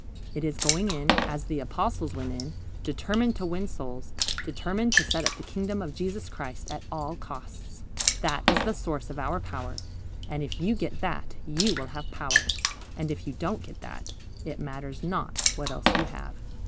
It is going in, as the Apostles went in, determined to win souls, determined to set up the kingdom of Jesus Christ, at all costs. That is the source of our power, and if you get that, you will have power, and if you don't get that, it matters not what else you have.